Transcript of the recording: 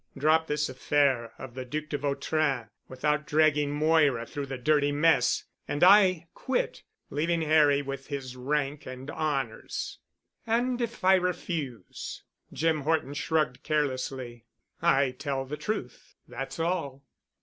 Drop this affair of the Duc de Vautrin—without dragging Moira through the dirty mess, and I quit—leaving Harry with his rank and honors." "And if I refuse——?" Jim Horton shrugged carelessly. "I'll tell the truth—that's all."